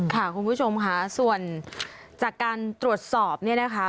ค่ะคุณผู้ชมค่ะส่วนจากการตรวจสอบเนี่ยนะคะ